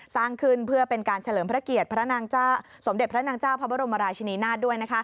สร้างขึ้นเพื่อเป็นการเฉลิมพระเกียรติพระนางสมเด็จพระนางเจ้าพระบรมราชินีนาฏด้วย